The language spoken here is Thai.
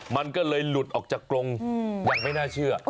มันก็เลยหลุดออกจากกรงอย่างไม่น่าเชื่อ